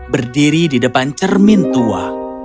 berdiri di depan cermin tua